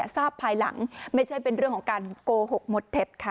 ภายหลังไม่ใช่เป็นเรื่องของการโกหกหมดเท็จค่ะ